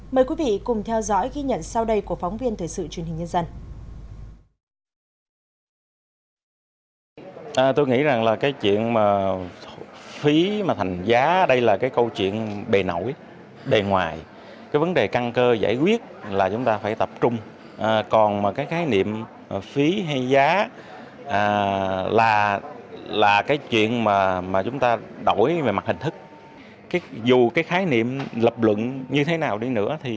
mời quý vị cùng theo dõi ghi nhận sau đây của phóng viên thời sự truyền hình nhân dân